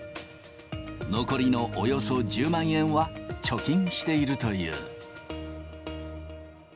残りのおよそ１０万円は貯金しているという。